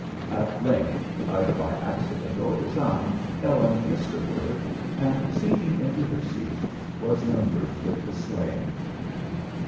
At length, either by accident or design, Ellen missed a word, and sinking into her seat was numbered with the slain.